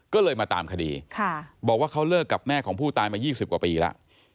ก็เลยมาตามคดีบอกว่าเขาเลิกกับแม่ของผู้ตายมา๒๐กว่าปีแล้ว